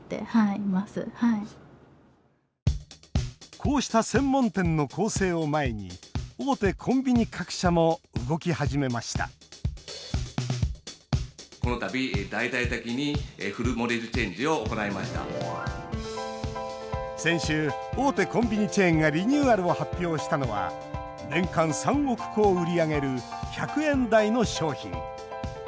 こうした専門店の攻勢を前に大手コンビニ各社も動き始めました先週、大手コンビニチェーンがリニューアルを発表したのは年間３億個を売り上げる１００円台の商品。